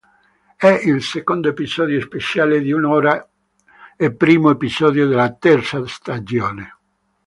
È il secondo episodio speciale di un'ora e primo episodio della terza stagione.